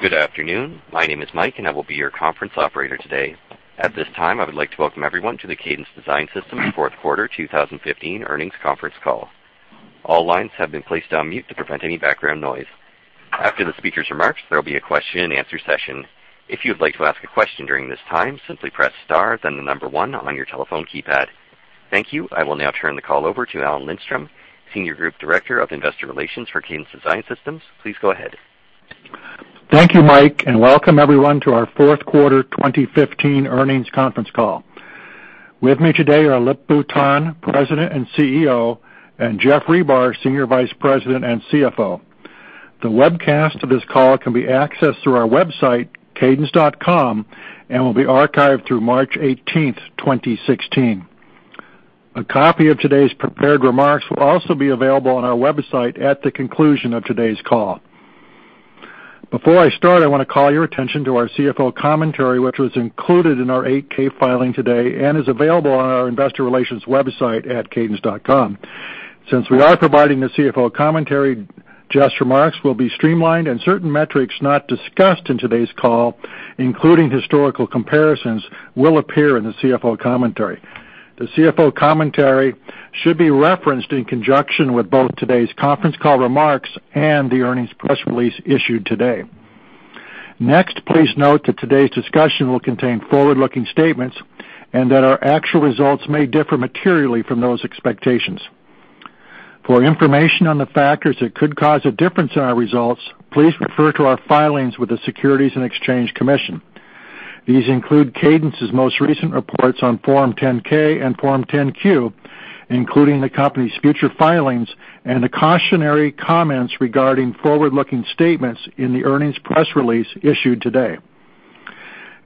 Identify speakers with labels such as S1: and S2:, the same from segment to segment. S1: Good afternoon. My name is Mike, and I will be your conference operator today. At this time, I would like to welcome everyone to the Cadence Design Systems fourth quarter 2015 earnings conference call. All lines have been placed on mute to prevent any background noise. After the speaker's remarks, there will be a question and answer session. If you'd like to ask a question during this time, simply press star, then the number 1 on your telephone keypad. Thank you. I will now turn the call over to Alan Lindstrom, Senior Group Director of Investor Relations for Cadence Design Systems. Please go ahead.
S2: Thank you, Mike, and welcome everyone to our fourth quarter 2015 earnings conference call. With me today are Lip-Bu Tan, President and CEO, and Geoff Ribar, Senior Vice President and CFO. The webcast of this call can be accessed through our website, cadence.com, and will be archived through March 18th, 2016. A copy of today's prepared remarks will also be available on our website at the conclusion of today's call. Before I start, I want to call your attention to our CFO commentary, which was included in our 8-K filing today and is available on our investor relations website at cadence.com. Since we are providing the CFO commentary, Geoff's remarks will be streamlined, and certain metrics not discussed in today's call, including historical comparisons, will appear in the CFO commentary. The CFO commentary should be referenced in conjunction with both today's conference call remarks and the earnings press release issued today. Please note that today's discussion will contain forward-looking statements and that our actual results may differ materially from those expectations. For information on the factors that could cause a difference in our results, please refer to our filings with the Securities and Exchange Commission. These include Cadence's most recent reports on Form 10-K and Form 10-Q, including the company's future filings, and the cautionary comments regarding forward-looking statements in the earnings press release issued today.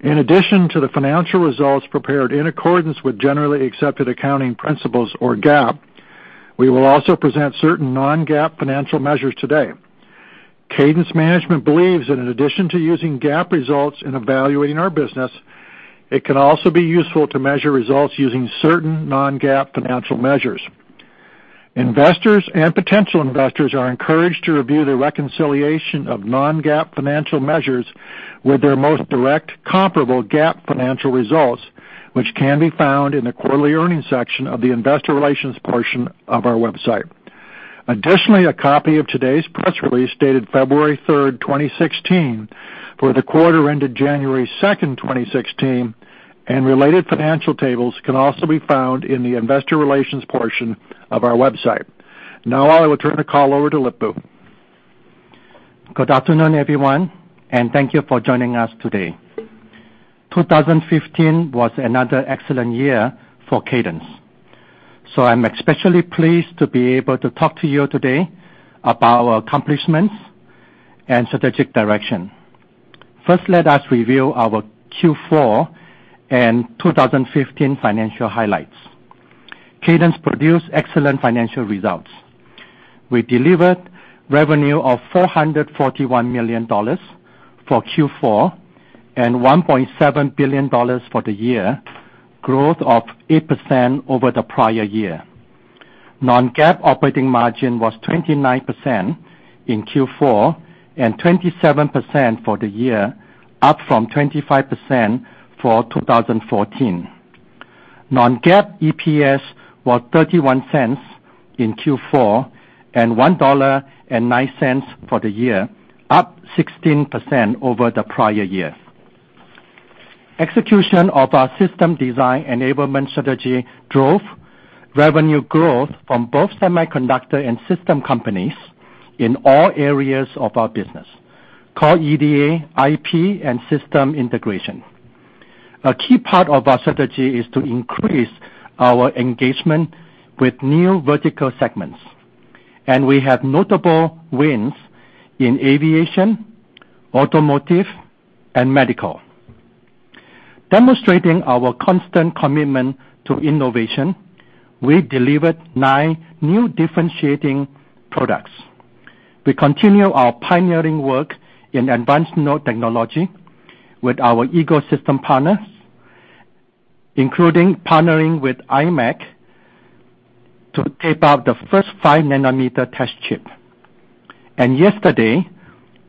S2: In addition to the financial results prepared in accordance with generally accepted accounting principles or GAAP, we will also present certain non-GAAP financial measures today. Cadence management believes that in addition to using GAAP results in evaluating our business, it can also be useful to measure results using certain non-GAAP financial measures. Investors and potential investors are encouraged to review the reconciliation of non-GAAP financial measures with their most direct comparable GAAP financial results, which can be found in the quarterly earnings section of the investor relations portion of our website. A copy of today's press release, dated February 3rd, 2016, for the quarter ended January 2nd, 2016, and related financial tables can also be found in the investor relations portion of our website. I will turn the call over to Lip-Bu.
S3: Good afternoon, everyone. Thank you for joining us today. 2015 was another excellent year for Cadence. I'm especially pleased to be able to talk to you today about our accomplishments and strategic direction. First, let us review our Q4 and 2015 financial highlights. Cadence produced excellent financial results. We delivered revenue of $441 million for Q4 and $1.7 billion for the year, growth of 8% over the prior year. Non-GAAP operating margin was 29% in Q4 and 27% for the year, up from 25% for 2014. Non-GAAP EPS was $0.31 in Q4 and $1.09 for the year, up 16% over the prior year. Execution of our system design enablement strategy drove revenue growth from both semiconductor and system companies in all areas of our business, core EDA, IP, and system integration. A key part of our strategy is to increase our engagement with new vertical segments. We have notable wins in aviation, automotive, and medical. Demonstrating our constant commitment to innovation, we delivered nine new differentiating products. We continue our pioneering work in advanced node technology with our ecosystem partners, including partnering with imec to tape out the first five nanometer test chip. Yesterday,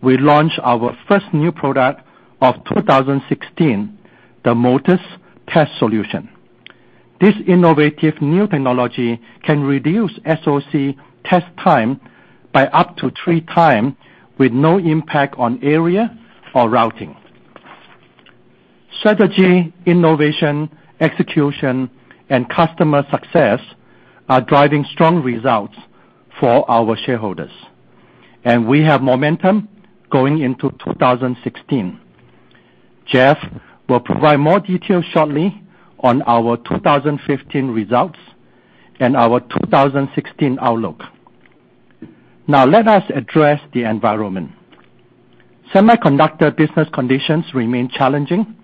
S3: we launched our first new product of 2016, the Modus Test Solution. This innovative new technology can reduce SoC test time by up to three times with no impact on area or routing. Strategy, innovation, execution, and customer success are driving strong results for our shareholders. We have momentum going into 2016. Geoff will provide more details shortly on our 2015 results and our 2016 outlook. Now let us address the environment. Semiconductor business conditions remain challenging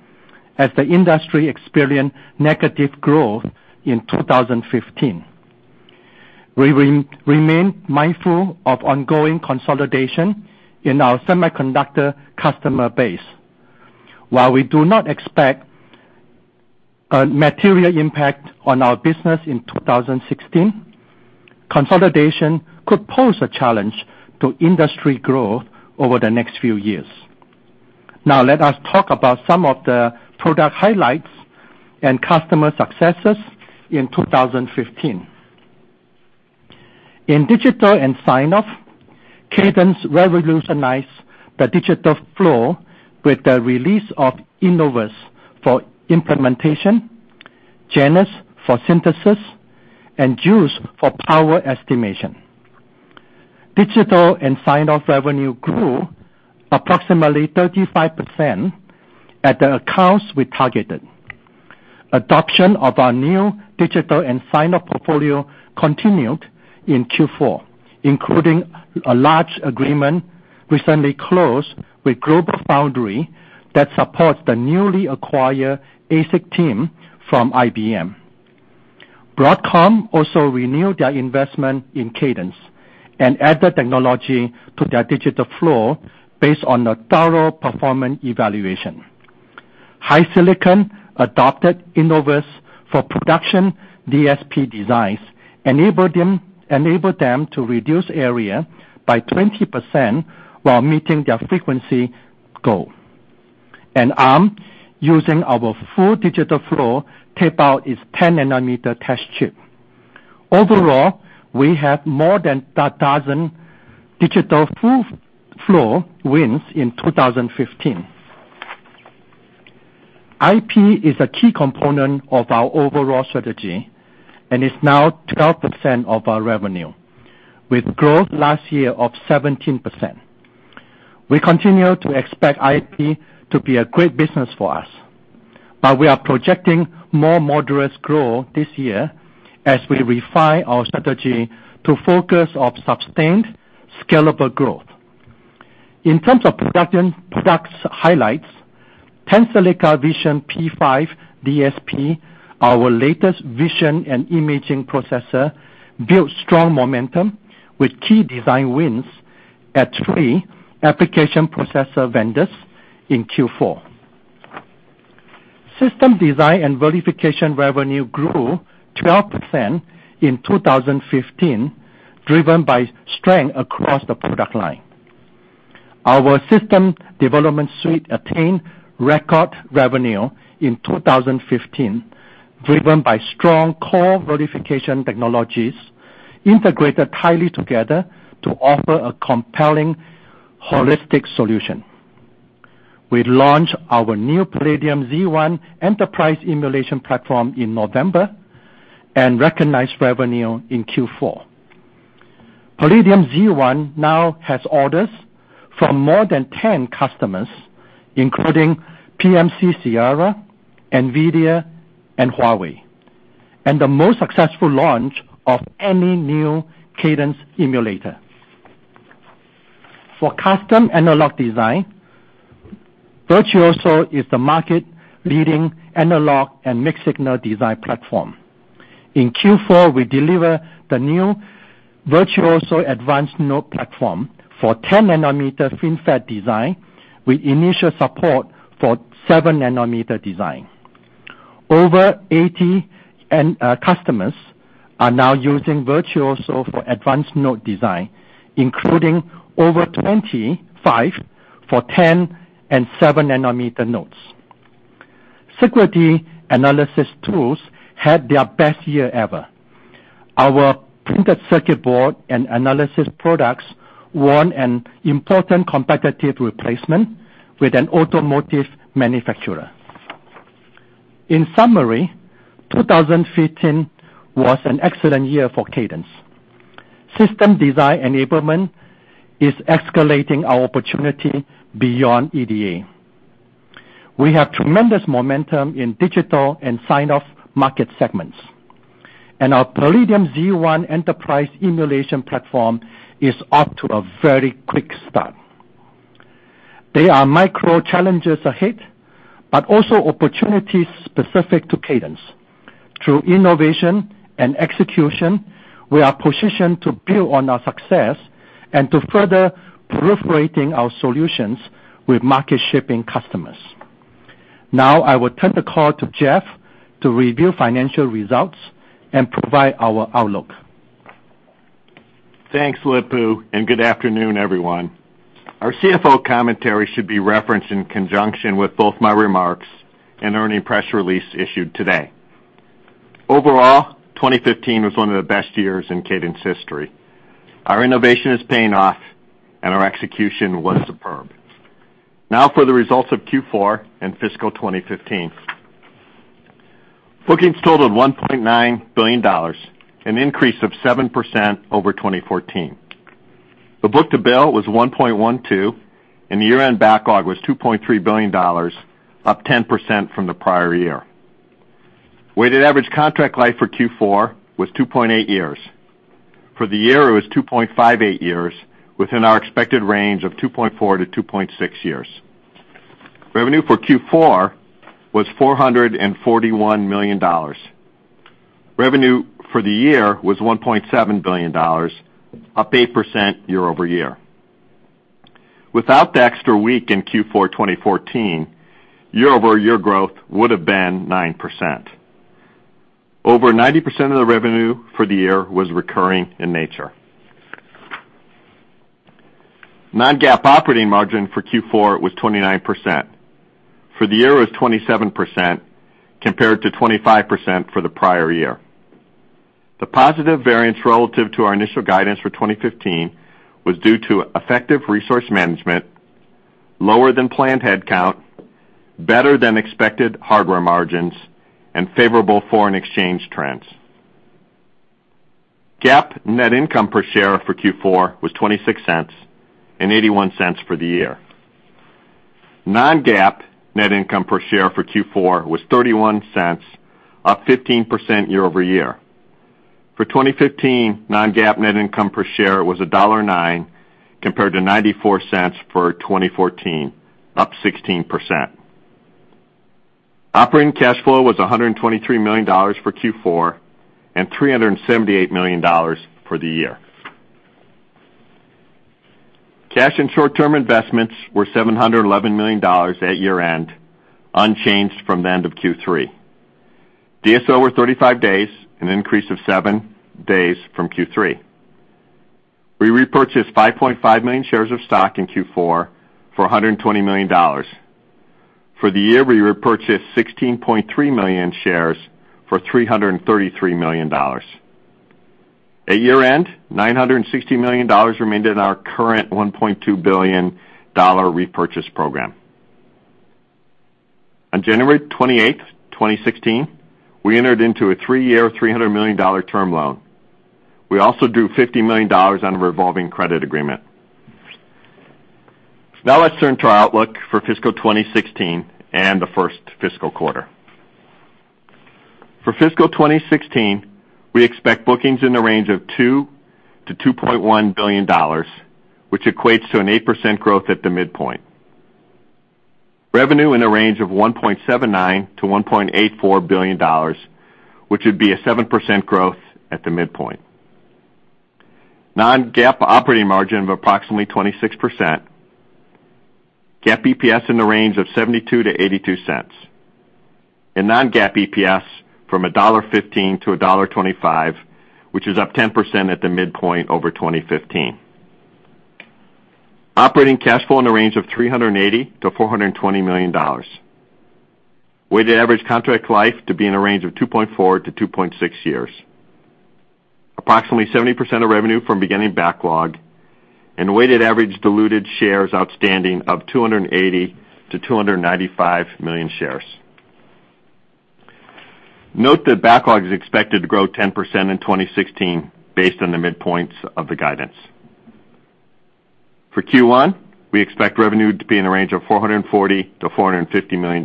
S3: as the industry experienced negative growth in 2015. We remain mindful of ongoing consolidation in our semiconductor customer base. While we do not expect a material impact on our business in 2016, consolidation could pose a challenge to industry growth over the next few years. Now, let us talk about some of the product highlights and customer successes in 2015. In digital and signoff, Cadence revolutionized the digital flow with the release of Innovus for implementation, Genus for synthesis, and Joules for power estimation. Digital and signoff revenue grew approximately 35% at the accounts we targeted. Adoption of our new digital and signoff portfolio continued in Q4, including a large agreement recently closed with GlobalFoundries that supports the newly acquired ASIC team from IBM. Broadcom also renewed their investment in Cadence and added technology to their digital flow based on a thorough performance evaluation. HiSilicon adopted Innovus for production DSP designs, enabled them to reduce area by 20% while meeting their frequency goal. Arm, using our full digital flow, tape out its 10-nanometer test chip. Overall, we have more than a dozen digital full flow wins in 2015. IP is a key component of our overall strategy and is now 12% of our revenue, with growth last year of 17%. We continue to expect IP to be a great business for us. We are projecting more moderate growth this year as we refine our strategy to focus on sustained, scalable growth. In terms of production products highlights, Tensilica Vision P5 DSP, our latest vision and imaging processor, built strong momentum with key design wins at three application processor vendors in Q4. System design and verification revenue grew 12% in 2015, driven by strength across the product line. Our system development suite attained record revenue in 2015, driven by strong core verification technologies integrated tightly together to offer a compelling holistic solution. We launched our new Palladium Z1 enterprise emulation platform in November and recognized revenue in Q4. Palladium Z1 now has orders from more than 10 customers, including PMC-Sierra, Nvidia, and Huawei, and the most successful launch of any new Cadence emulator. For custom analog design, Virtuoso is the market-leading analog and mixed signal design platform. In Q4, we deliver the new Virtuoso advanced node platform for 10-nanometer FinFET design with initial support for seven-nanometer design. Over 80 customers are now using Virtuoso for advanced node design, including over 25 for 10 and seven-nanometer nodes. Security analysis tools had their best year ever. Our printed circuit board and analysis products won an important competitive replacement with an automotive manufacturer. In summary, 2015 was an excellent year for Cadence. System design enablement is escalating our opportunity beyond EDA. We have tremendous momentum in digital and signoff market segments. Our Palladium Z1 enterprise emulation platform is off to a very quick start. There are micro challenges ahead, also opportunities specific to Cadence. Through innovation and execution, we are positioned to build on our success and to further proliferating our solutions with market-shaping customers. Now, I will turn the call to Geoff to review financial results and provide our outlook.
S4: Thanks, Lip-Bu. Good afternoon, everyone. Our CFO commentary should be referenced in conjunction with both my remarks and earnings press release issued today. Overall, 2015 was one of the best years in Cadence history. Our innovation is paying off. Our execution was superb. Now for the results of Q4 and fiscal 2015. Bookings totaled $1.9 billion, an increase of 7% over 2014. The book-to-bill was 1.12. The year-end backlog was $2.3 billion, up 10% from the prior year. Weighted average contract life for Q4 was two years. For the year, it was two years within our expected range of 2.4 to 2.6 years. Revenue for Q4 was $441 million. Revenue for the year was $1.7 billion, up 8% year-over-year. Without the extra week in Q4 2014, year-over-year growth would have been 9%. Over 90% of the revenue for the year was recurring in nature. Non-GAAP operating margin for Q4 was 29%. For the year, it was 27%, compared to 25% for the prior year. The positive variance relative to our initial guidance for 2015 was due to effective resource management, lower than planned headcount, better than expected hardware margins, and favorable foreign exchange trends. GAAP net income per share for Q4 was $0.26, $0.81 for the year. Non-GAAP net income per share for Q4 was $0.31, up 15% year-over-year. For 2015, non-GAAP net income per share was $1.09, compared to $0.94 for 2014, up 16%. Operating cash flow was $123 million for Q4, $378 million for the year. Cash and short-term investments were $711 million at year-end, unchanged from the end of Q3. DSO was 35 days, an increase of seven days from Q3. We repurchased 5.5 million shares of stock in Q4 for $120 million. For the year, we repurchased 16.3 million shares for $333 million. At year-end, $960 million remained in our current $1.2 billion repurchase program. On January 28th, 2016, we entered into a three-year, $300 million term loan. We also drew $50 million on a revolving credit agreement. Let's turn to our outlook for fiscal 2016 and the first fiscal quarter. For fiscal 2016, we expect bookings in the range of $2 billion-$2.1 billion, which equates to an 8% growth at the midpoint. Revenue in the range of $1.79 billion-$1.84 billion, which would be a 7% growth at the midpoint. Non-GAAP operating margin of approximately 26%. GAAP EPS in the range of $0.72-$0.82. Non-GAAP EPS from $1.15-$1.25, which is up 10% at the midpoint over 2015. Operating cash flow in the range of $380 million-$420 million. Weighted average contract life to be in a range of 2.4-2.6 years. Approximately 70% of revenue from beginning backlog and weighted average diluted shares outstanding of 280 million-295 million shares. Note that backlog is expected to grow 10% in 2016, based on the midpoints of the guidance. For Q1, we expect revenue to be in the range of $440 million-$450 million.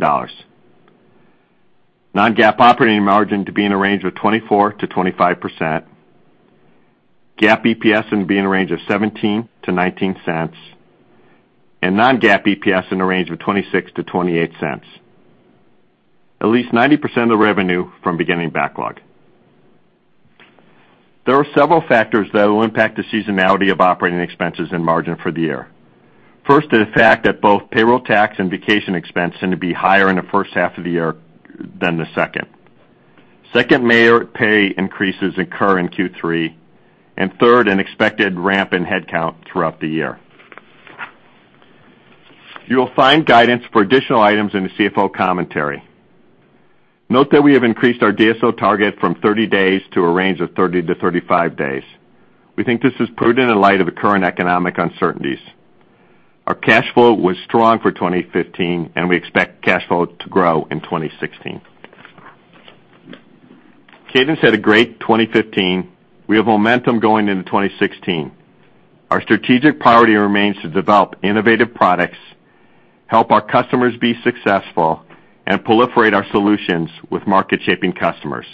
S4: Non-GAAP operating margin to be in the range of 24%-25%. GAAP EPS be in the range of $0.17-$0.19. Non-GAAP EPS in the range of $0.26-$0.28. At least 90% of the revenue from beginning backlog. There are several factors that will impact the seasonality of operating expenses and margin for the year. First is the fact that both payroll tax and vacation expense seem to be higher in the first half of the year than the second. Second, major pay increases occur in Q3. Third, an expected ramp in headcount throughout the year. You will find guidance for additional items in the CFO commentary. Note that we have increased our DSO target from 30 days to a range of 30-35 days. We think this is prudent in light of the current economic uncertainties. Our cash flow was strong for 2015, and we expect cash flow to grow in 2016. Cadence had a great 2015. We have momentum going into 2016. Our strategic priority remains to develop innovative products, help our customers be successful, and proliferate our solutions with market-shaping customers.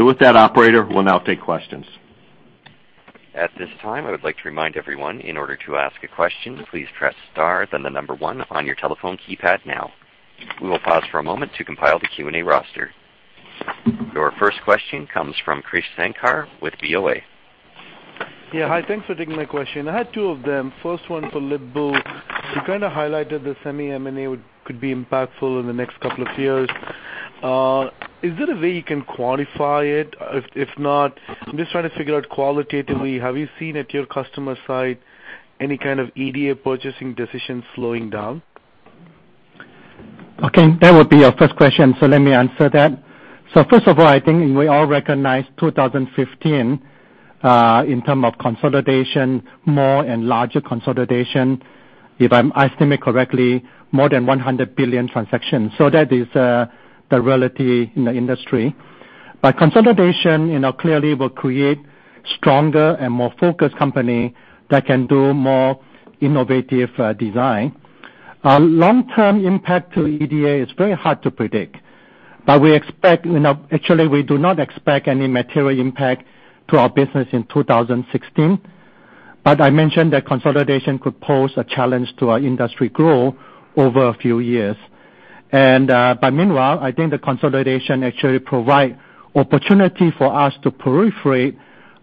S4: With that, operator, we'll now take questions.
S1: At this time, I would like to remind everyone, in order to ask a question, please press star, then the number one on your telephone keypad now. We will pause for a moment to compile the Q&A roster. Your first question comes from Krish Sankar with BofA.
S5: Yeah. Hi, thanks for taking my question. I had two of them. First one for Lip-Bu. You kind of highlighted the semi M&A could be impactful in the next couple of years. Is there a way you can quantify it? If not, I'm just trying to figure out qualitatively, have you seen at your customer site any kind of EDA purchasing decisions slowing down?
S3: Okay. That would be your first question, let me answer that. First of all, I think we all recognize 2015, in terms of consolidation, more and larger consolidation. If I estimate correctly, more than $100 billion transactions. That is the reality in the industry. Consolidation clearly will create stronger and more focused company that can do more innovative design. Long-term impact to EDA is very hard to predict. Actually, we do not expect any material impact to our business in 2016. I mentioned that consolidation could pose a challenge to our industry growth over a few years. Meanwhile, I think the consolidation actually provide opportunity for us to proliferate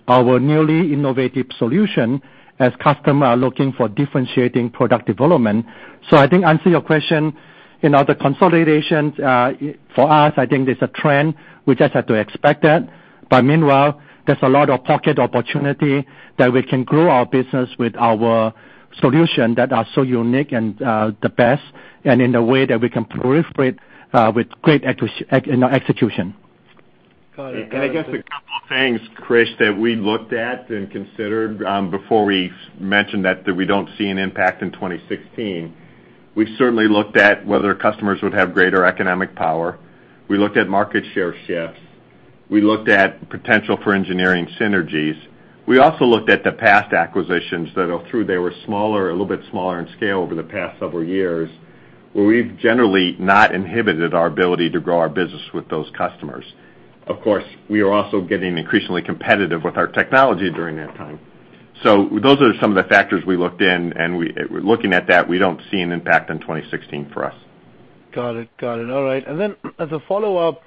S3: our newly innovative solution as customers are looking for differentiating product development. I think answer your question, the consolidations, for us, I think there's a trend. We just have to expect that. Meanwhile, there's a lot of pocket opportunity that we can grow our business with our solution that are so unique and the best, and in a way that we can proliferate with great execution.
S5: Got it.
S4: I guess a couple things, Krish, that we looked at and considered before we mentioned that we don't see an impact in 2016. We certainly looked at whether customers would have greater economic power. We looked at market share shifts. We looked at potential for engineering synergies. We also looked at the past acquisitions that although they were a little bit smaller in scale over the past several years, where we've generally not inhibited our ability to grow our business with those customers. Of course, we are also getting increasingly competitive with our technology during that time. Those are some of the factors we looked in, and looking at that, we don't see an impact in 2016 for us.
S5: Got it. All right. As a follow-up,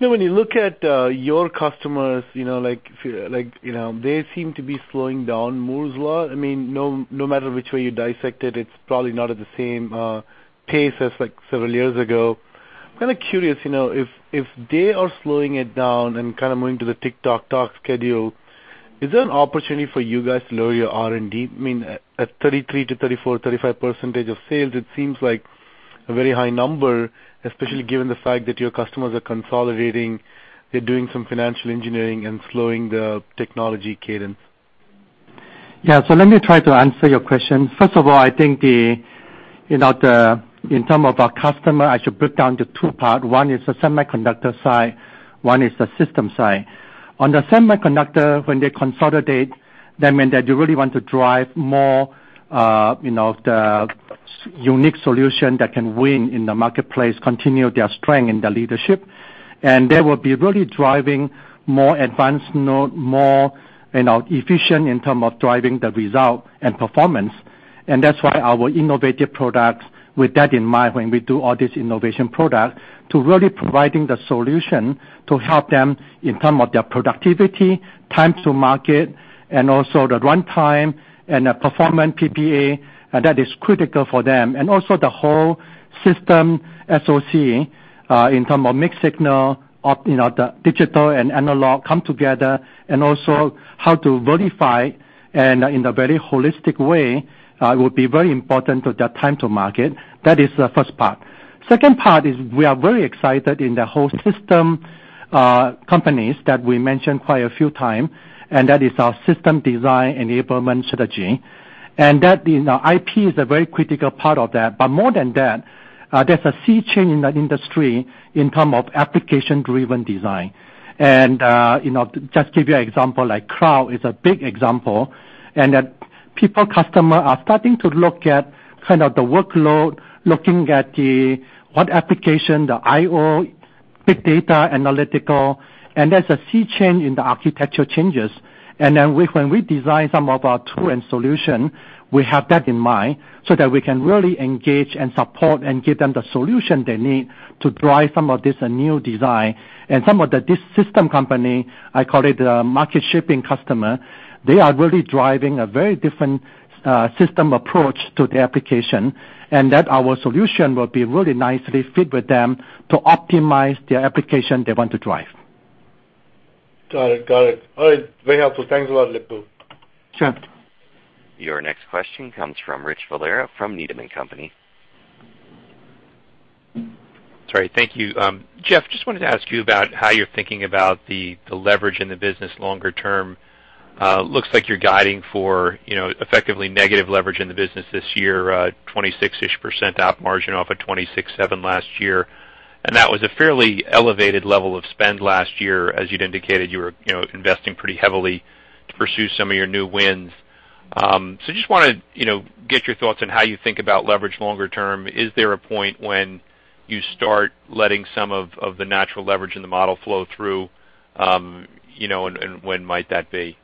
S5: when you look at your customers, they seem to be slowing down Moore's Law. No matter which way you dissect it's probably not at the same pace as like several years ago. I'm kind of curious, if they are slowing it down and kind of moving to the tick-tock schedule, is there an opportunity for you guys to lower your R&D? I mean, at 33%-34%, 35% of sales, it seems like a very high number, especially given the fact that your customers are consolidating, they're doing some financial engineering and slowing the technology cadence.
S3: Yeah. Let me try to answer your question. First of all, I think in terms of our customer, I should break down to two parts. One is the semiconductor side, one is the system side. On the semiconductor, when they consolidate, that mean that you really want to drive more the unique solution that can win in the marketplace, continue their strength in the leadership. They will be really driving more advanced node more efficient in terms of driving the result and performance. That's why our innovative products, with that in mind, when we do all this innovative product, to really providing the solution to help them in terms of their productivity, time to market, and also the runtime and the performance PPA, that is critical for them. Also the whole system SoC, in terms of mixed signal, the digital and analog come together and also how to verify and in a very holistic way will be very important to their time to market. That is the first part. Second part is we are very excited in the whole system companies that we mentioned quite a few times, and that is our system design enablement strategy. IP is a very critical part of that. More than that, there's a sea change in the industry in terms of application-driven design. Just give you an example, like cloud is a big example, that people, customer are starting to look at kind of the workload, looking at what application, the IO, big data, analytical, and there's a sea change in the architecture changes. When we design some of our tool and solution, we have that in mind so that we can really engage and support and give them the solution they need to drive some of this new design. Some of this system company, I call it market-shaping customer, they are really driving a very different system approach to the application, and that our solution will be really nicely fit with them to optimize the application they want to drive.
S5: Got it. All right. Very helpful. Thanks a lot, Lip-Bu.
S3: Sure.
S1: Your next question comes from Richard Valera from Needham & Company.
S6: Sorry. Thank you. Geoff, just wanted to ask you about how you're thinking about the leverage in the business longer term. Looks like you're guiding for effectively negative leverage in the business this year, 26%-ish op margin off of 26.7% last year. That was a fairly elevated level of spend last year, as you'd indicated you were investing pretty heavily to pursue some of your new wins. Just want to get your thoughts on how you think about leverage longer term. Is there a point when you start letting some of the natural leverage in the model flow through? When might that be?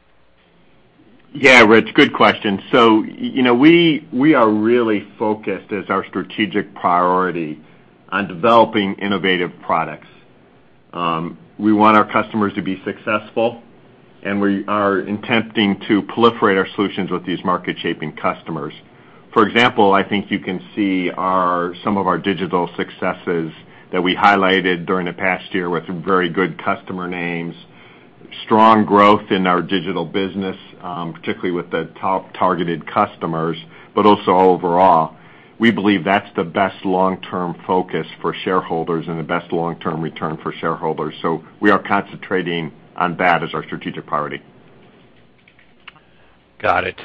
S4: Yeah, Rich, good question. We are really focused as our strategic priority on developing innovative products. We want our customers to be successful, we are attempting to proliferate our solutions with these market-shaping customers. For example, I think you can see some of our digital successes that we highlighted during the past year with very good customer names, strong growth in our digital business, particularly with the top targeted customers, also overall. We believe that's the best long-term focus for shareholders and the best long-term return for shareholders. We are concentrating on that as our strategic priority.
S6: Got it.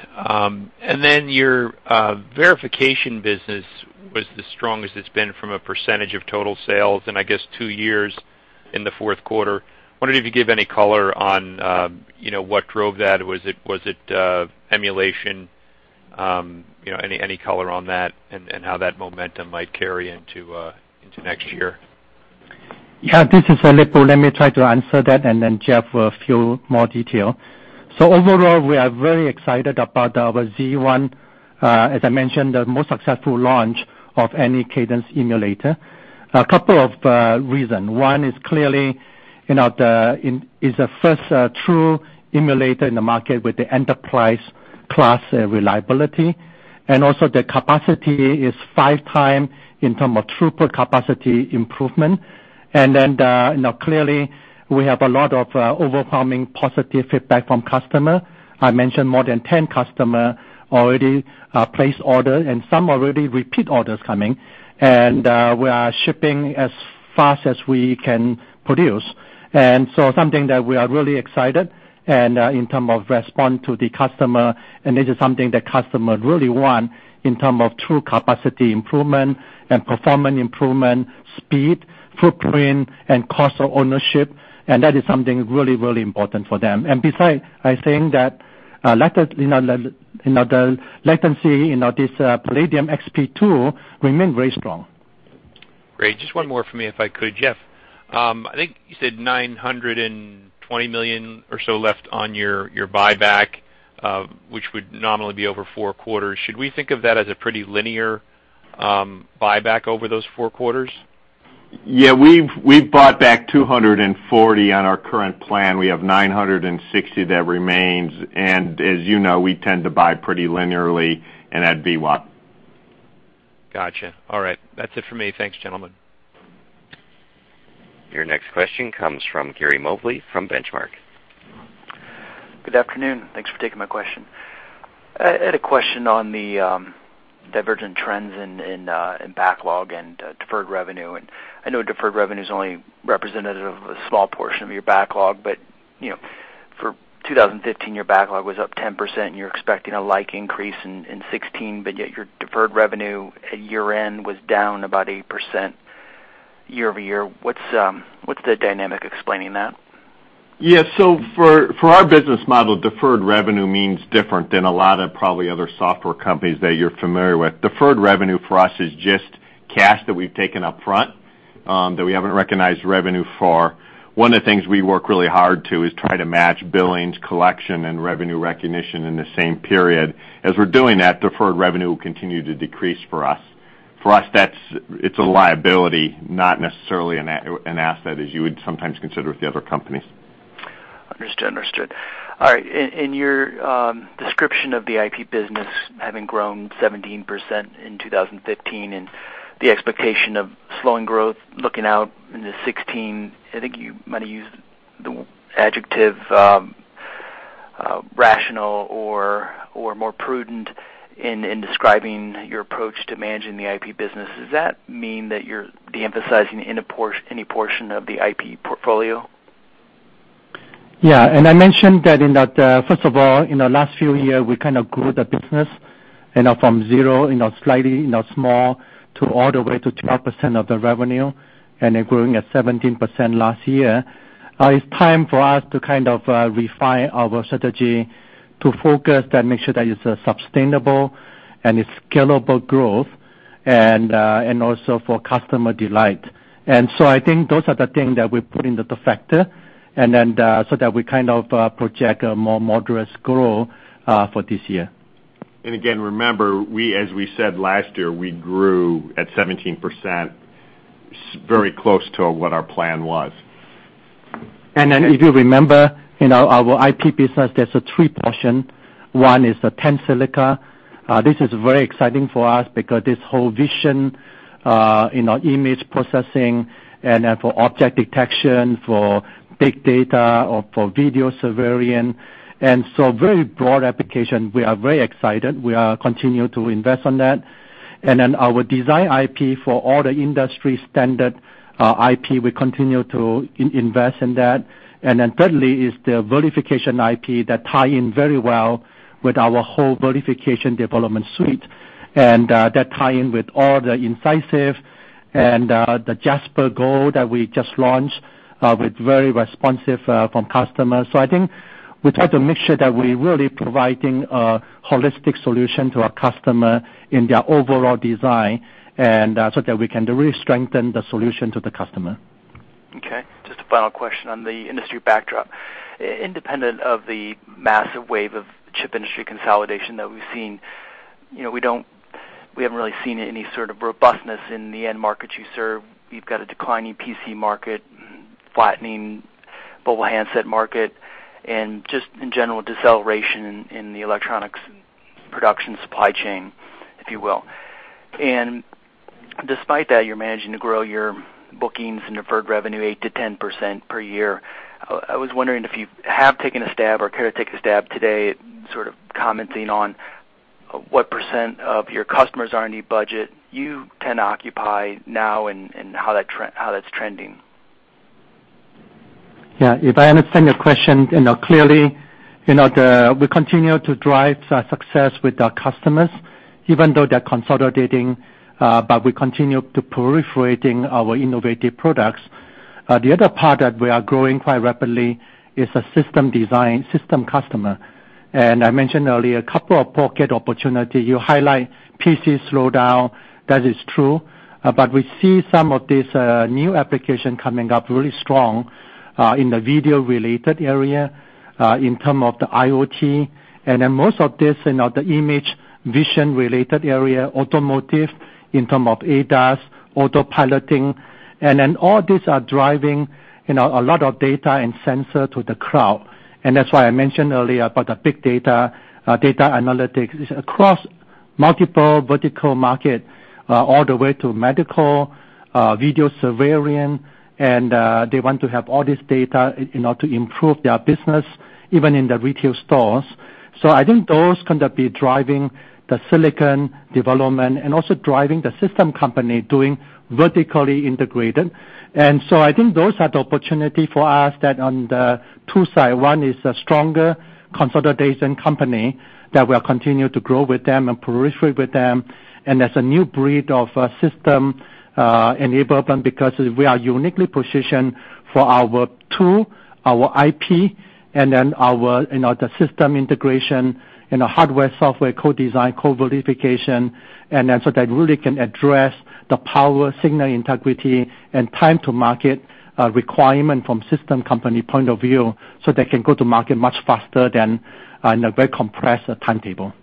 S6: Your verification business was the strongest it's been from a percentage of total sales in, I guess, two years in the fourth quarter. Wondering if you could give any color on what drove that. Was it emulation? Any color on that and how that momentum might carry into next year?
S3: Yeah, this is Lip-Bu. Let me try to answer that, Geoff will few more detail. Overall, we are very excited about our Z1, as I mentioned, the most successful launch of any Cadence emulator. A couple of reason. One is clearly, it's the first true emulator in the market with the enterprise class reliability, also the capacity is five times in term of throughput capacity improvement. Clearly, we have a lot of overwhelming positive feedback from customer. I mentioned more than 10 customer already place order, some already repeat orders coming. We are shipping as fast as we can produce. Something that we are really excited and in term of respond to the customer, this is something that customer really want in term of true capacity improvement and performance improvement, speed, footprint, and cost of ownership. That is something really important for them. Beside, I think that the latency, this Palladium XP II remain very strong.
S6: Great. Just one more for me, if I could. Geoff, I think you said $920 million or so left on your buyback, which would nominally be over four quarters. Should we think of that as a pretty linear buyback over those four quarters?
S4: Yeah. We've bought back $240 million on our current plan. We have $960 million that remains. As you know, we tend to buy pretty linearly, and that'd be one.
S6: Got you. All right. That's it for me. Thanks, gentlemen.
S1: Your next question comes from Gary Mobley from The Benchmark Company.
S7: Good afternoon. Thanks for taking my question. I had a question on the divergent trends in backlog and deferred revenue. I know deferred revenue is only representative of a small portion of your backlog, but for 2015, your backlog was up 10%, and you're expecting a like increase in 2016, yet your deferred revenue at year-end was down about 8% year-over-year. What's the dynamic explaining that?
S4: Yeah. For our business model, deferred revenue means different than a lot of probably other software companies that you're familiar with. Deferred revenue for us is just cash that we've taken up front, that we haven't recognized revenue for. One of the things we work really hard to is try to match billings, collection, and revenue recognition in the same period. As we're doing that, deferred revenue will continue to decrease for us. For us, it's a liability, not necessarily an asset as you would sometimes consider with the other companies.
S7: Understood. All right. In your description of the IP business having grown 17% in 2015 and the expectation of slowing growth looking out into 2016, I think you might have used the adjective rational or more prudent in describing your approach to managing the IP business. Does that mean that you're de-emphasizing any portion of the IP portfolio?
S3: Yeah. I mentioned that in that, first of all, in the last few year, we kind of grew the business from zero, slightly small, to all the way to 12% of the revenue, then growing at 17% last year. It's time for us to kind of refine our strategy to focus and make sure that it's a sustainable and it's scalable growth, and also for customer delight. I think those are the things that we put into the factor, and then so that we project a more moderate growth for this year.
S4: Again, remember, as we said last year, we grew at 17%, very close to what our plan was.
S3: If you remember, in our IP business, there's a three portion. One is the Tensilica. This is very exciting for us because this whole vision, image processing and for object detection, for big data or for video surveilling. Very broad application. We are very excited. We are continuing to invest on that. Our design IP for all the industry standard IP, we continue to invest in that. Thirdly is the verification IP that tie in very well with our whole verification development suite, and that tie in with all the Incisive and the JasperGold that we just launched, with very responsive from customers. I think we try to make sure that we're really providing a holistic solution to our customer in their overall design, and so that we can really strengthen the solution to the customer.
S7: Okay. Just a final question on the industry backdrop. Independent of the massive wave of chip industry consolidation that we've seen, we haven't really seen any sort of robustness in the end markets you serve. You've got a declining PC market, flattening mobile handset market, and just in general deceleration in the electronics production supply chain, if you will. Despite that, you're managing to grow your bookings and deferred revenue 8%-10% per year. I was wondering if you have taken a stab or care to take a stab today at sort of commenting on what % of your customers are in the budget you tend to occupy now and how that's trending.
S3: Yeah. If I understand your question, clearly, we continue to drive success with our customers, even though they're consolidating, but we continue to proliferating our innovative products. The other part that we are growing quite rapidly is a system design, system customer. I mentioned earlier, a couple of pocket opportunity. You highlight PC slowdown, that is true. We see some of this new application coming up really strong, in the video-related area, in terms of the IoT, and then most of this in the image vision-related area, automotive, in terms of ADAS, autopiloting. All these are driving a lot of data and sensor to the cloud. That's why I mentioned earlier about the big data analytics. It's across multiple vertical market, all the way to medical, video surveillance. They want to have all this data to improve their business, even in the retail stores. I think those going to be driving the silicon development and also driving the system company doing vertically integrated. I think those are the opportunity for us that on the two side, one is a stronger consolidation company that will continue to grow with them and proliferate with them. There's a new breed of system enablement, because we are uniquely positioned for our tool, our IP, and then the system integration and the hardware-software co-design, co-verification. That really can address the power signal integrity and time to market requirement from system company point of view, so they can go to market much faster than in a very compressed timetable.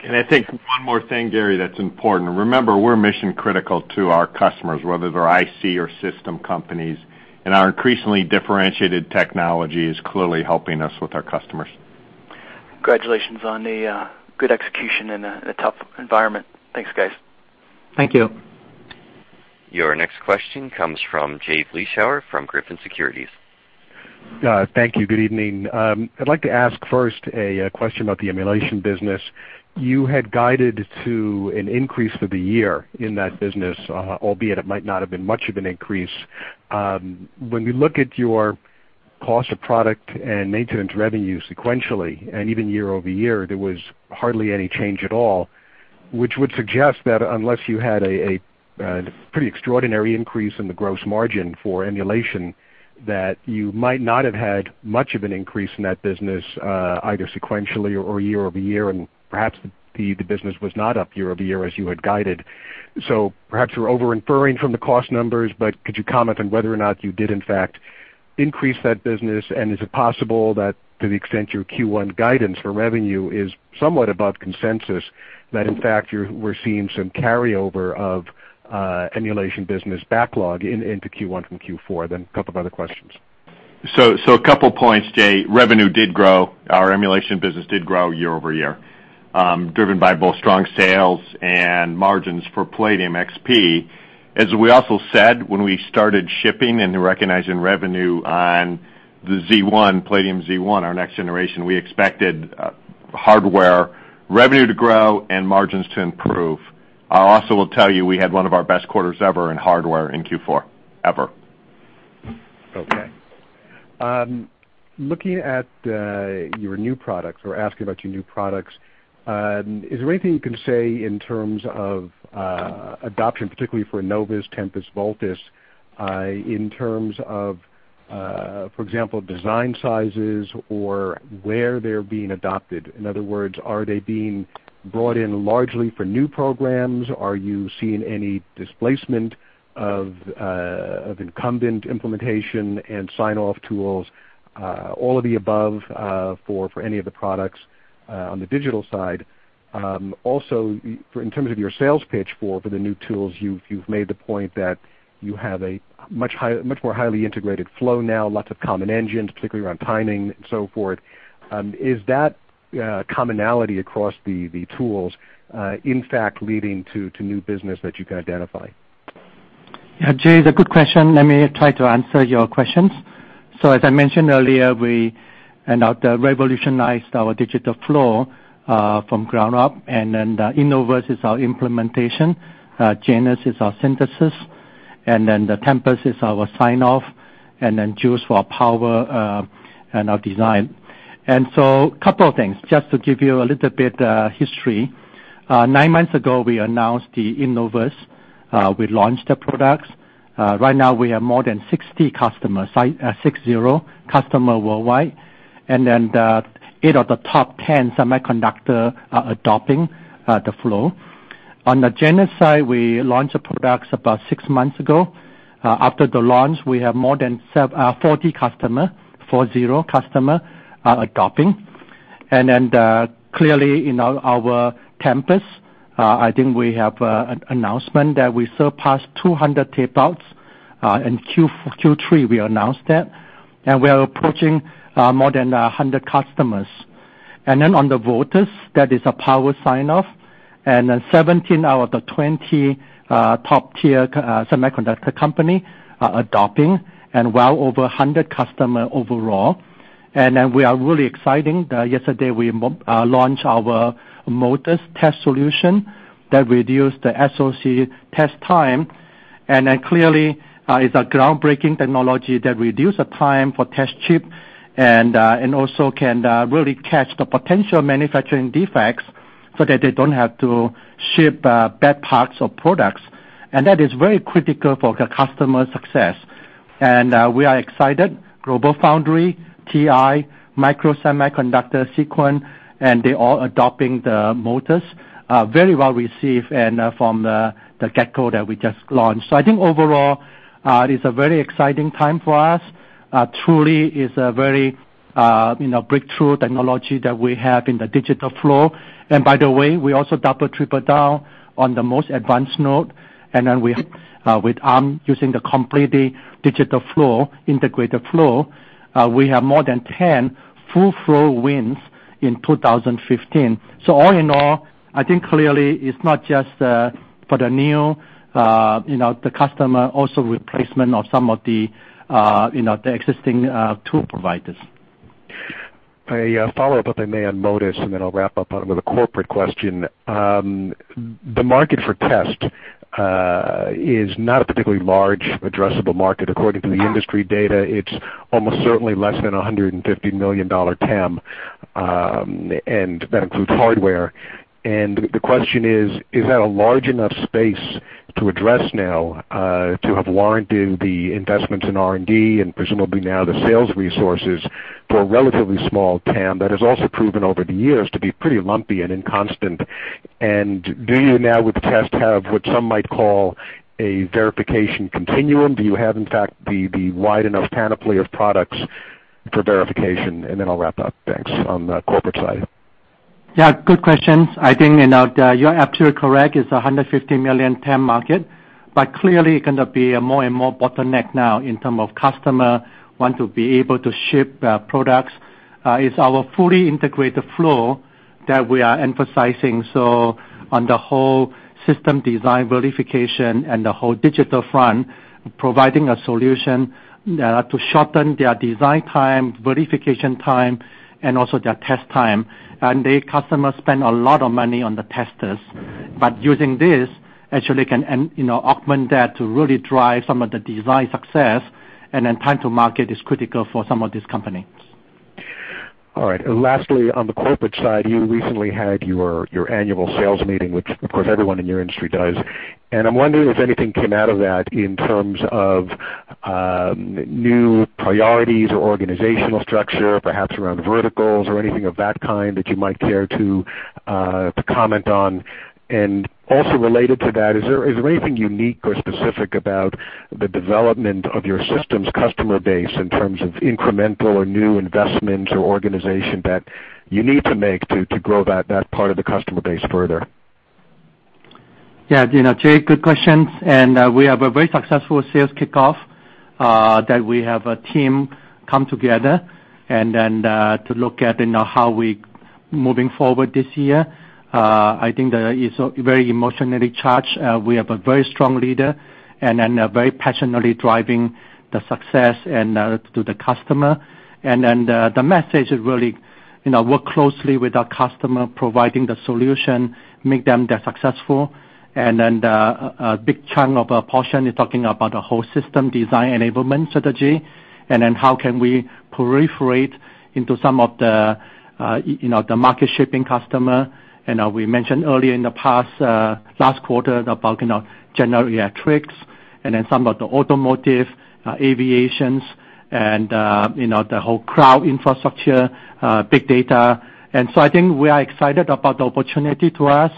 S4: Can I take one more thing, Gary, that's important. Remember, we're mission critical to our customers, whether they're IC or system companies, and our increasingly differentiated technology is clearly helping us with our customers.
S7: Congratulations on the good execution in a tough environment. Thanks, guys.
S3: Thank you.
S1: Your next question comes from Jay Vleeschhouwer from Griffin Securities.
S8: Thank you. Good evening. I'd like to ask first a question about the emulation business. You had guided to an increase for the year in that business, albeit it might not have been much of an increase. When we look at your cost of product and maintenance revenue sequentially, and even year-over-year, there was hardly any change at all, which would suggest that unless you had a pretty extraordinary increase in the gross margin for emulation, that you might not have had much of an increase in that business, either sequentially or year-over-year. Perhaps the business was not up year-over-year as you had guided. Perhaps we're over-inferring from the cost numbers, but could you comment on whether or not you did in fact increase that business? Is it possible that to the extent your Q1 guidance for revenue is somewhat above consensus, that in fact we're seeing some carryover of emulation business backlog into Q1 from Q4? A couple of other questions.
S4: A couple points, Jay. Revenue did grow. Our emulation business did grow year-over-year, driven by both strong sales and margins for Palladium XP. As we also said, when we started shipping and recognizing revenue on the Z1, Palladium Z1, our next generation, we expected hardware revenue to grow and margins to improve. I also will tell you, we had one of our best quarters ever in hardware in Q4. Ever.
S8: Okay. Looking at your new products, or asking about your new products, is there anything you can say in terms of adoption, particularly for Innovus, Tempus, Voltus, in terms of, for example, design sizes or where they're being adopted? In other words, are they being brought in largely for new programs? Are you seeing any displacement of incumbent implementation and sign-off tools? All of the above, for any of the products on the digital side. Also, in terms of your sales pitch for the new tools, you've made the point that you have a much more highly integrated flow now, lots of common engines, particularly around timing and so forth. Is that commonality across the tools, in fact, leading to new business that you can identify?
S3: Yeah, Jay, is a good question. Let me try to answer your questions. As I mentioned earlier, we revolutionized our digital flow from ground up, the Innovus is our implementation. Genus our synthesis, the Tempus is our sign-off, Joules for our power and our design. A couple of things, just to give you a little bit history. Nine months ago, we announced the Innovus. We launched the products. Right now we have more than 60 customers, six-zero customer worldwide. The eight of the top 10 semiconductor are adopting the flow. Genus, we launched the products about six months ago. After the launch, we have more than 40 customer, four-zero customer adopting. Clearly in our Tempus, I think we have an announcement that we surpassed 200 tape outs. In Q3, we announced that. We are approaching more than 100 customers. Voltus, that is a power sign-off. 17 out of the 20 top-tier semiconductor company are adopting, and well over 100 customer overall. We are really excited that yesterday we launched our Modus Test Solution that reduced the SoC test time. Clearly, it's a groundbreaking technology that reduce the time for test chip and also can really catch the potential manufacturing defects so that they don't have to ship bad parts or products. That is very critical for the customer success. We are excited. GlobalFoundries, TI, Microsemi, Sequans, they're all adopting the Modus. Very well-received from the get-go that we just launched. I think overall, it is a very exciting time for us. Truly is a very breakthrough technology that we have in the digital flow. By the way, we also double, triple down on the most advanced node. With Arm using the completely digital flow, integrated flow, we have more than 10 full flow wins in 2015. All in all, I think clearly it's not just for the new customer, also replacement of some of the existing tool providers.
S8: A follow-up, if I may, on Modus, then I'll wrap up with a corporate question. The market for test is not a particularly large addressable market. According to the industry data, it's almost certainly less than $150 million TAM, and that includes hardware. The question is: Is that a large enough space to address now to have warranted the investments in R&D and presumably now the sales resources for a relatively small TAM that has also proven over the years to be pretty lumpy and inconstant? Do you now, with the test, have what some might call a verification continuum? Do you have, in fact, the wide enough panoply of products for verification? Then I'll wrap up. Thanks. On the corporate side.
S3: Yeah, good questions. I think you're absolutely correct. It's $150 million TAM market, but clearly going to be more and more bottleneck now in term of customer want to be able to ship products. It's our fully integrated flow that we are emphasizing. On the whole system design verification and the whole digital front, providing a solution to shorten their design time, verification time, and also their test time. The customers spend a lot of money on the testers. Using this actually can augment that to really drive some of the design success, time to market is critical for some of these companies.
S8: All right. Lastly, on the corporate side, you recently had your annual sales meeting, which of course everyone in your industry does. I'm wondering if anything came out of that in terms of new priorities or organizational structure, perhaps around verticals or anything of that kind that you might care to comment on. Also related to that, is there anything unique or specific about the development of your systems customer base in terms of incremental or new investments or organization that you need to make to grow that part of the customer base further?
S3: Yeah, Jay, good questions. We have a very successful sales kickoff, that we have a team come together to look at how we moving forward this year. I think that is very emotionally charged. We have a very strong leader and very passionately driving the success to the customer. The message is really work closely with our customer, providing the solution, make them successful. The big chunk of our portion is talking about the whole system design enablement strategy, how can we proliferate into some of the market shipping customer. We mentioned earlier in the past, last quarter about General Electric some of the automotive, aviations and the whole cloud infrastructure, big data. I think we are excited about the opportunity to us.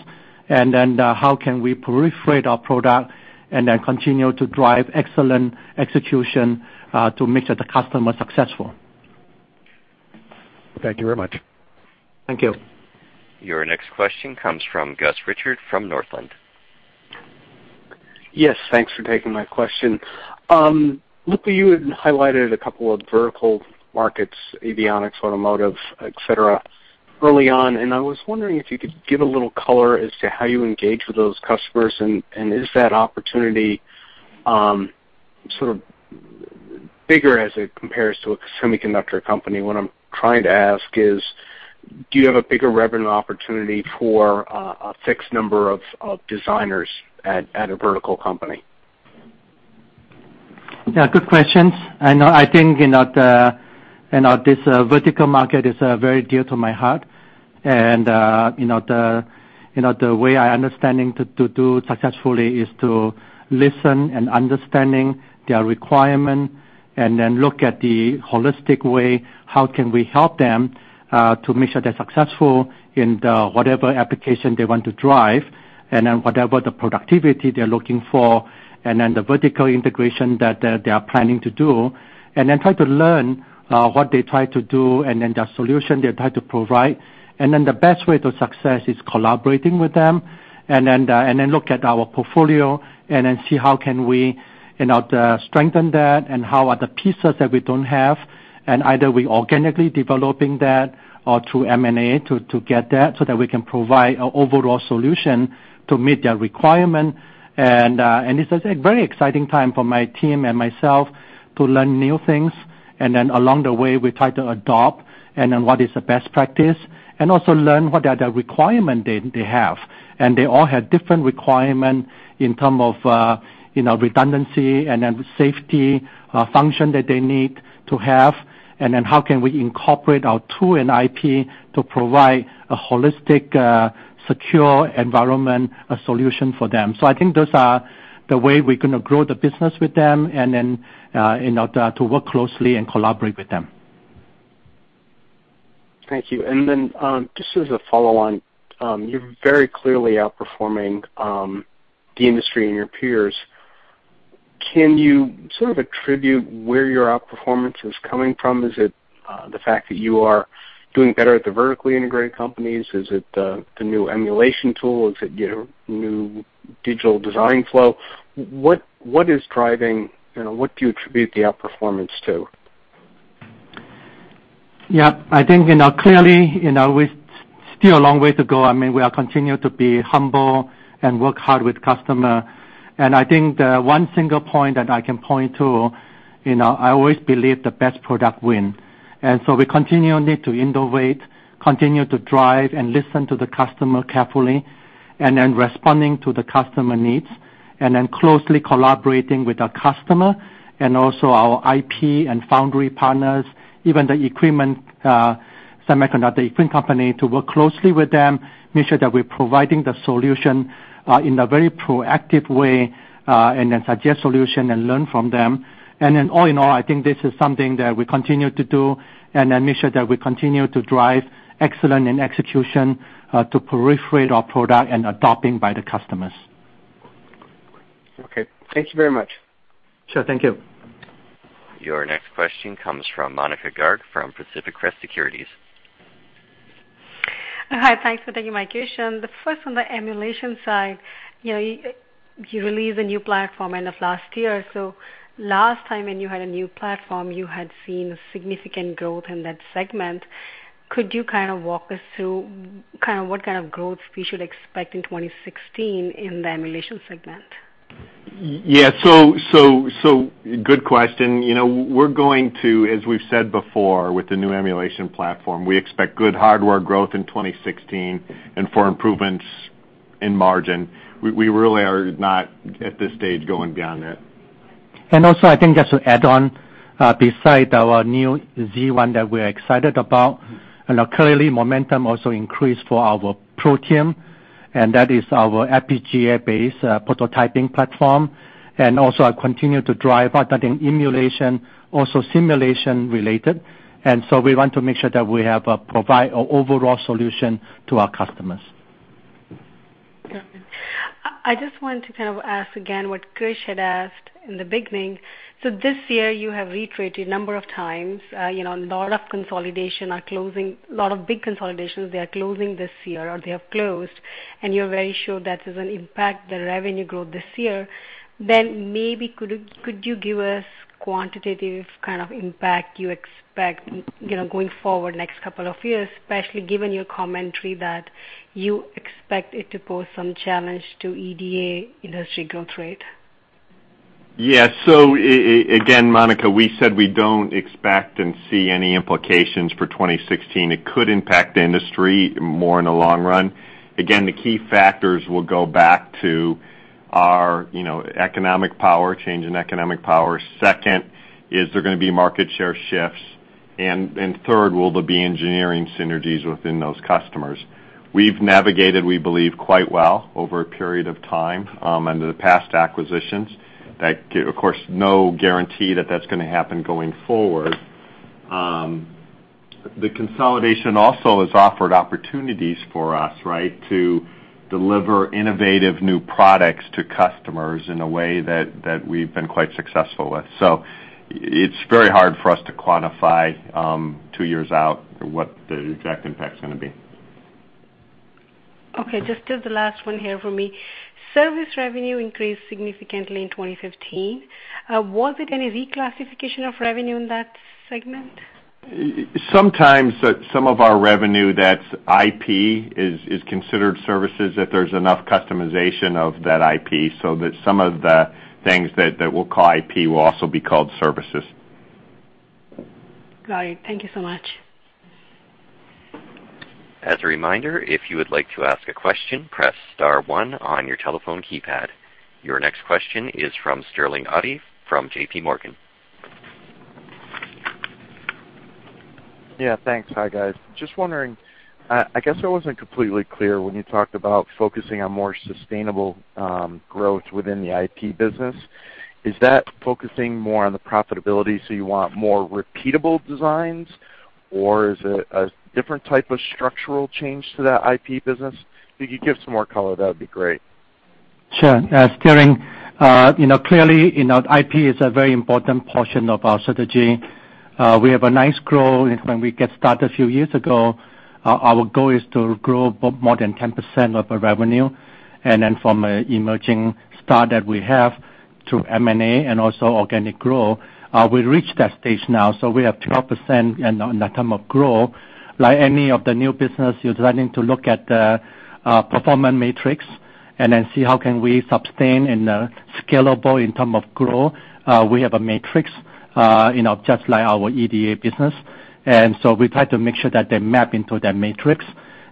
S3: How can we proliferate our product and then continue to drive excellent execution to make sure the customer successful.
S8: Thank you very much.
S3: Thank you.
S1: Your next question comes from Gus Richard from Northland.
S9: Yes, thanks for taking my question. Lip-Bu, you had highlighted a couple of vertical markets, avionics, automotive, et cetera, early on. I was wondering if you could give a little color as to how you engage with those customers. Is that opportunity sort of bigger as it compares to a semiconductor company? What I'm trying to ask is, do you have a bigger revenue opportunity for a fixed number of designers at a vertical company?
S3: Yeah, good questions. I think this vertical market is very dear to my heart. The way I understanding to do successfully is to listen and understanding their requirement, look at the holistic way, how can we help them to make sure they're successful in the whatever application they want to drive, whatever the productivity they're looking for, the vertical integration that they are planning to do, try to learn what they try to do, the solution they try to provide. The best way to success is collaborating with them, look at our portfolio, see how can we strengthen that, how are the pieces that we don't have, either we organically developing that or through M&A to get that so that we can provide an overall solution to meet their requirement. This is a very exciting time for my team and myself to learn new things. Along the way, we try to adopt what is the best practice and also learn what are the requirement they have. They all have different requirement in term of redundancy, safety function that they need to have. How can we incorporate our tool and IP to provide a holistic, secure environment solution for them. I think those are the way we're going to grow the business with them to work closely and collaborate with them.
S9: Thank you. Just as a follow-on, you're very clearly outperforming the industry and your peers. Can you sort of attribute where your outperformance is coming from? Is it the fact that you are doing better at the vertically integrated companies? Is it the new emulation tool? Is it your new digital design flow? What do you attribute the outperformance to?
S3: I think clearly, we still a long way to go. I mean, we are continuing to be humble and work hard with customer. I think the one single point that I can point to, I always believe the best product win. So we continually to innovate, continue to drive, listen to the customer carefully, responding to the customer needs, closely collaborating with our customer and also our IP and foundry partners, even the equipment semiconductor company, to work closely with them, make sure that we're providing the solution in a very proactive way, suggest solution and learn from them. All in all, I think this is something that we continue to do make sure that we continue to drive excellent in execution to proliferate our product and adopting by the customers.
S9: Okay. Thank you very much.
S3: Sure. Thank you.
S1: Your next question comes from Monika Garg from Pacific Crest Securities.
S10: Hi. Thanks for taking my question. First, on the emulation side, you released a new platform end of last year. Last time when you had a new platform, you had seen significant growth in that segment. Could you kind of walk us through what kind of growth we should expect in 2016 in the emulation segment?
S4: Yeah. Good question. As we've said before, with the new emulation platform, we expect good hardware growth in 2016 and for improvements in margin. We really are not, at this stage, going beyond that.
S3: Also, I think just to add on, beside our new Z1 that we're excited about, and currently momentum also increased for our Protium, and that is our FPGA-based prototyping platform, and also continue to drive other than emulation, also simulation-related. We want to make sure that we have provide overall solution to our customers.
S10: I just want to kind of ask again what Krish had asked in the beginning. This year you have reiterated number of times, a lot of consolidation are closing, a lot of big consolidations, they are closing this year or they have closed, and you're very sure that is going to impact the revenue growth this year. Maybe could you give us quantitative kind of impact you expect going forward next couple of years, especially given your commentary that you expect it to pose some challenge to EDA industry growth rate?
S4: Yeah. Again, Monika, we said we don't expect and see any implications for 2016. It could impact the industry more in the long run. Again, the key factors will go back to our economic power, change in economic power. Second is there are going to be market share shifts. Third, will there be engineering synergies within those customers? We've navigated, we believe, quite well over a period of time under the past acquisitions. That, of course, no guarantee that that's going to happen going forward. The consolidation also has offered opportunities for us, right, to deliver innovative new products to customers in a way that we've been quite successful with. It's very hard for us to quantify two years out what the exact impact is going to be.
S10: Okay. Just the last one here for me. Service revenue increased significantly in 2015. Was it any reclassification of revenue in that segment?
S4: Sometimes some of our revenue that's IP is considered services if there's enough customization of that IP, that some of the things that we'll call IP will also be called services.
S10: Got it. Thank you so much.
S1: As a reminder, if you would like to ask a question, press star one on your telephone keypad. Your next question is from Sterling Auty from JPMorgan.
S11: Yeah, thanks. Hi, guys. Just wondering, I guess I wasn't completely clear when you talked about focusing on more sustainable growth within the IP business. Is that focusing more on the profitability, so you want more repeatable designs, or is it a different type of structural change to that IP business? If you could give some more color, that would be great.
S3: Sure, Sterling, clearly IP is a very important portion of our strategy. We have a nice growth when we get started a few years ago. Our goal is to grow more than 10% of the revenue, and then from an emerging start that we have through M&A and also organic growth, we reached that stage now, so we have 12% in term of growth. Like any of the new business, you're starting to look at the performance matrix and then see how can we sustain and scalable in term of growth. We have a matrix, just like our EDA business, and so we try to make sure that they map into that matrix,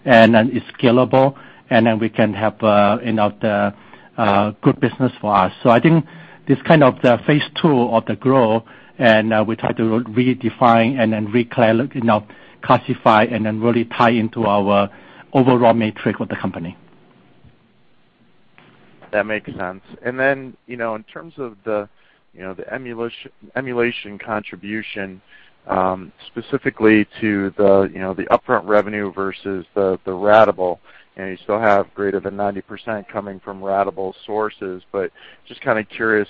S3: and then it's scalable, and then we can have the good business for us. I think this kind of the phase 2 of the growth, and we try to redefine and then reclassify and then really tie into our overall matrix with the company.
S11: That makes sense. In terms of the emulation contribution, specifically to the upfront revenue versus the ratable, you still have greater than 90% coming from ratable sources, just kind of curious,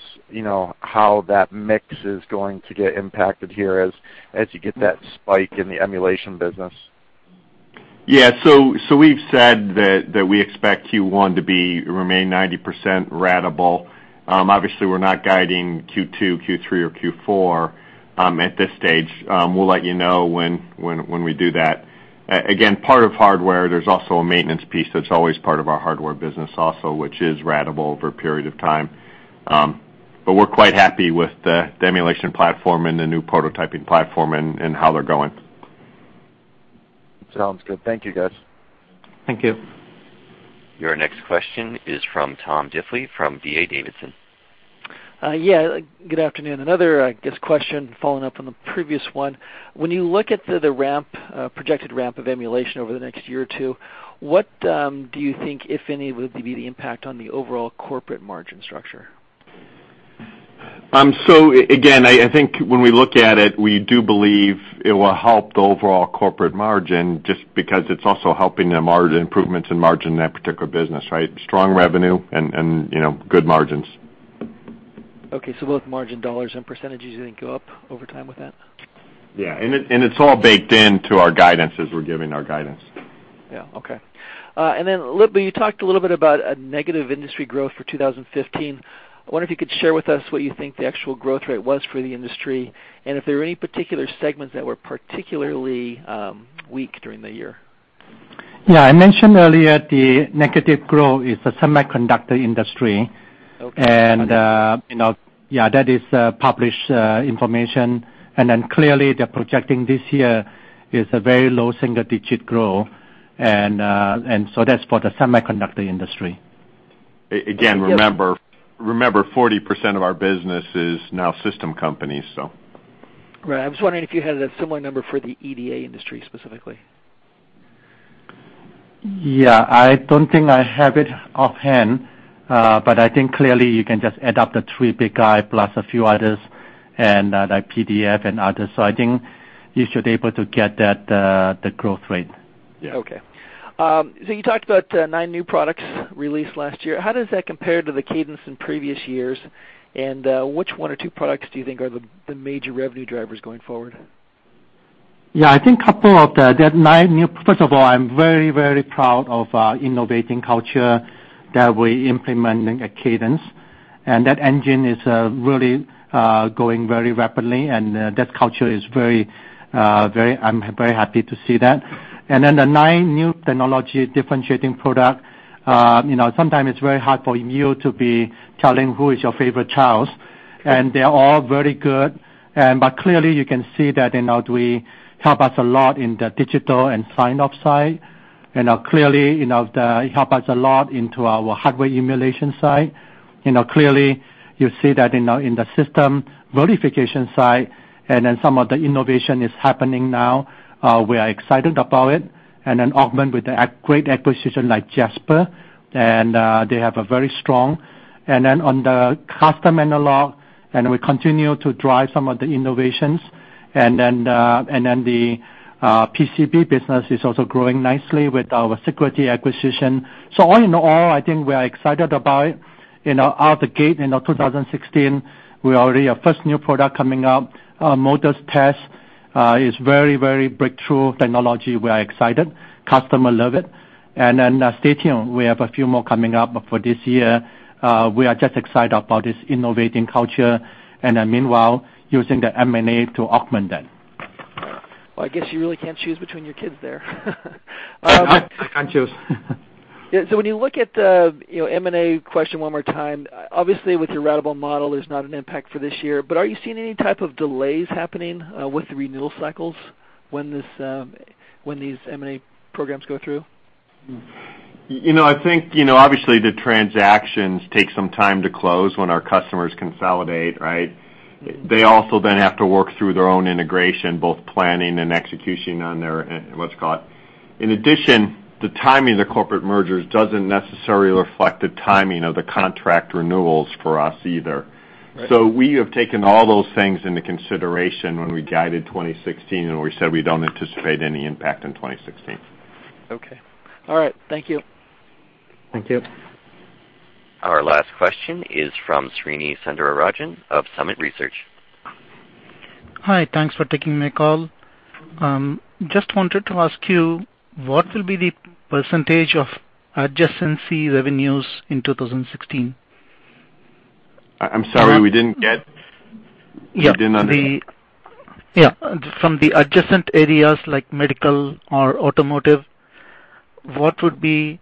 S11: how that mix is going to get impacted here as you get that spike in the emulation business.
S4: We've said that we expect Q1 to remain 90% ratable. Obviously, we're not guiding Q2, Q3, or Q4 at this stage. We'll let you know when we do that. Again, part of hardware, there's also a maintenance piece that's always part of our hardware business also, which is ratable over a period of time. We're quite happy with the emulation platform and the new prototyping platform and how they're going.
S11: Sounds good. Thank you, guys.
S3: Thank you.
S1: Your next question is from Tom Diffley from D.A. Davidson.
S12: Yeah, good afternoon. Another, I guess question following up on the previous one. When you look at the projected ramp of emulation over the next year or two, what do you think, if any, would be the impact on the overall corporate margin structure?
S4: Again, I think when we look at it, we do believe it will help the overall corporate margin just because it's also helping the improvements in margin in that particular business, right? Strong revenue and good margins.
S12: Okay. Both margin dollars and percentages you think go up over time with that?
S4: Yeah. It's all baked into our guidance as we're giving our guidance.
S12: Yeah. Okay. You talked a little bit about a negative industry growth for 2015. I wonder if you could share with us what you think the actual growth rate was for the industry, and if there were any particular segments that were particularly weak during the year.
S3: Yeah, I mentioned earlier the negative growth is the semiconductor industry.
S12: Okay.
S3: That is published information. Clearly, they're projecting this year is a very low single-digit growth. That's for the semiconductor industry.
S4: Remember, 40% of our business is now system companies.
S12: Right. I was wondering if you had a similar number for the EDA industry, specifically.
S3: Yeah. I don't think I have it offhand. I think clearly you can just add up the three big guys plus a few others, and like PDF and others. I think you should able to get that, the growth rate.
S4: Yeah.
S12: Okay. You talked about nine new products released last year. How does that compare to the cadence in previous years? Which one or two products do you think are the major revenue drivers going forward?
S3: Yeah, I think First of all, I'm very proud of our innovating culture that we implementing at Cadence. That engine is really going very rapidly, and that culture is I'm very happy to see that. The nine new technology differentiating product, sometimes it's very hard for you to be telling who is your favorite child.
S12: Okay.
S3: They're all very good. Clearly, you can see that they now do help us a lot in the digital and sign-off side. Clearly, it help us a lot into our hardware emulation side. Clearly, you see that in the system verification side, some of the innovation is happening now. We are excited about it. Augment with a great acquisition like Jasper. On the custom analog, we continue to drive some of the innovations. The PCB business is also growing nicely with our Sigrity acquisition. All in all, I think we are excited about it. Out the gate in 2016, we already have first new product coming up. Modus Test is very breakthrough technology. We are excited. Customer love it. Stay tuned. We have a few more coming up for this year. We are just excited about this innovating culture meanwhile, using the M&A to augment that.
S12: I guess you really can't choose between your kids there.
S3: No, I can't choose.
S12: Yeah. When you look at the M&A question one more time, obviously with your ratable model, there's not an impact for this year, but are you seeing any type of delays happening with the renewal cycles when these M&A programs go through?
S4: I think, obviously, the transactions take some time to close when our customers consolidate, right? They also then have to work through their own integration, both planning and execution. In addition, the timing of the corporate mergers doesn't necessarily reflect the timing of the contract renewals for us either.
S12: Right.
S4: We have taken all those things into consideration when we guided 2016, and we said we don't anticipate any impact in 2016.
S12: Okay. All right. Thank you.
S3: Thank you.
S1: Our last question is from Srinivasan Sundararajan of Summit Research.
S13: Hi. Thanks for taking my call. Just wanted to ask you, what will be the percentage of adjacency revenues in 2016?
S4: I'm sorry, we didn't get- Yeah. We didn't understand.
S13: From the adjacent areas like medical or automotive, what would be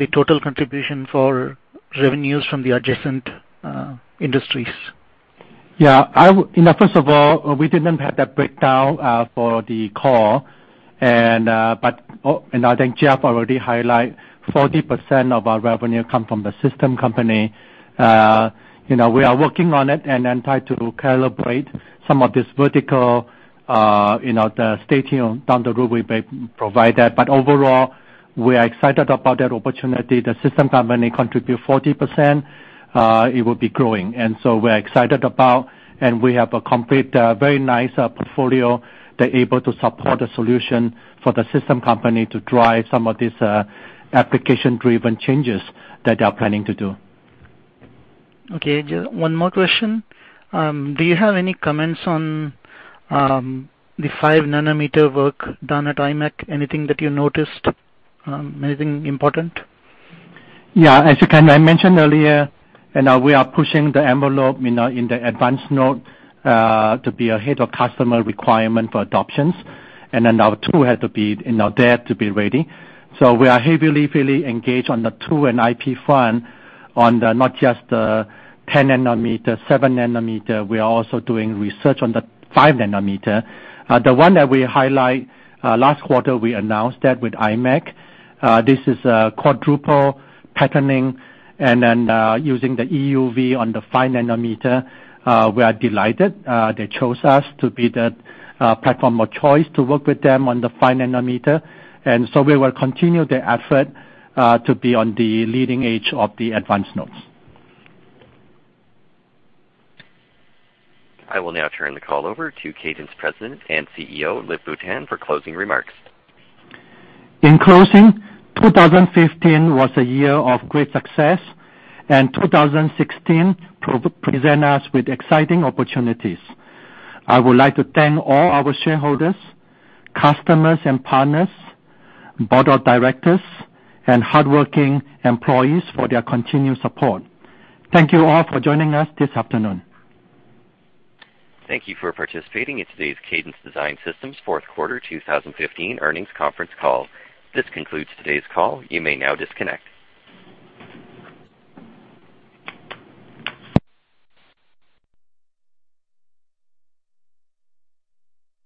S13: the total contribution for revenues from the adjacent industries?
S3: First of all, we didn't have that breakdown for the call. I think Geoff already highlight 40% of our revenue come from the system company. We are working on it and then try to calibrate some of this vertical, the staging down the road, we may provide that. Overall, we are excited about that opportunity. The system company contribute 40%, it will be growing. We are excited about, and we have a complete, very nice portfolio that able to support a solution for the system company to drive some of these application-driven changes that they are planning to do.
S13: Okay. Just one more question. Do you have any comments on the five-nanometer work done at imec? Anything that you noticed, anything important?
S3: Yeah. As I mentioned earlier, we are pushing the envelope in the advanced node to be ahead of customer requirement for adoptions. Our tool have to be there to be ready. We are heavily engaged on the tool and IP front on not just the 10 nanometer, seven nanometer, we are also doing research on the five nanometer. The one that we highlight, last quarter, we announced that with imec. This is quadruple patterning, using the EUV on the five nanometer. We are delighted they chose us to be the platform of choice to work with them on the five nanometer. We will continue the effort to be on the leading edge of the advanced nodes.
S1: I will now turn the call over to Cadence President and CEO, Lip-Bu Tan, for closing remarks.
S3: In closing, 2015 was a year of great success, 2016 present us with exciting opportunities. I would like to thank all our shareholders, customers and partners, board of directors, and hardworking employees for their continued support. Thank you all for joining us this afternoon.
S1: Thank you for participating in today's Cadence Design Systems fourth quarter 2015 earnings conference call. This concludes today's call. You may now disconnect.